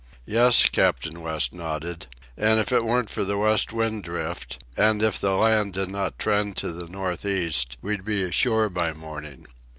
"Yes," Captain West nodded; "and if it weren't for the West Wind Drift, and if the land did not trend to the north east, we'd be ashore by morning.